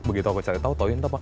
begitu aku cari tahu douyin tuh apa